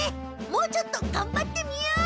もうちょっとがんばってみよう！